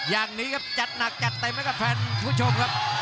อย่างนี้ครับจัดหนักจัดเต็มให้กับแฟนผู้ชมครับ